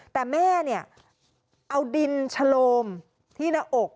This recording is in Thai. แต่แม่เนี่ยเอาดินชะโลมที่หน้าอก